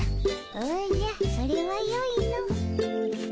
おじゃそれはよいの。